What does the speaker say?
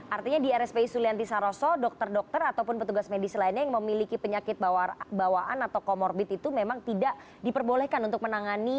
artinya di rspi sulianti saroso dokter dokter ataupun petugas medis lainnya yang memiliki penyakit bawaan atau comorbid itu memang tidak diperbolehkan untuk menangani